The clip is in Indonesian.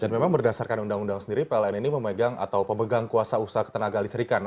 dan memang berdasarkan undang undang sendiri pln ini memegang atau pemegang kuasa usaha ketenagaan listrikan